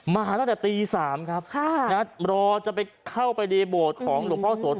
มาตั้งแต่ตี๓ครับรอจะไปเข้าไปในโบสถ์ของหลวงพ่อโสธ